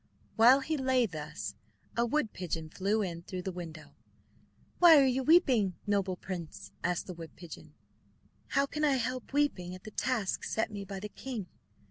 While he lay thus, a wood pigeon flew in through the window. "Why are you weeping, noble prince?" asked the wood pigeon. "How can I help weeping at the task set me by the king.